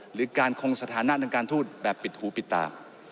หรือการคงสถานะทางการทูตแบบปิดหูปิดตา